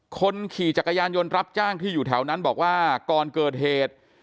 คนขี่จักรยานยนต์รับจ้างที่อยู่แถวนั้นบอกว่าก่อนเกิดเหตุ